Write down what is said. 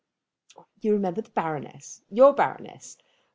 "You remember the Baroness, your Baroness.